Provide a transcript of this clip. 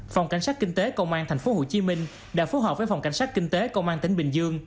phòng cảnh sát kinh tế công an tp hồ chí minh đã phối hợp với phòng cảnh sát kinh tế công an tỉnh bình dương